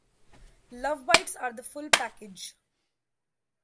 Lovebites are the full package.